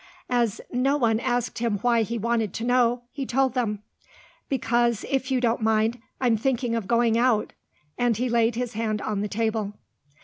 As no one asked him why he wanted to know, he told them. "Because, if you don't mind, I'm thinking of going out," and he laid his hand on the table.